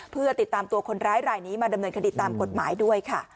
เพื่อติดตามตัวคนร้ายรายนี้มาดำเนินคดีตามกฎหมายด้วยค่ะ